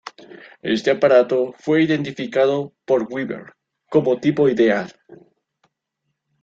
Este aparato fue identificado por Weber como "tipo ideal".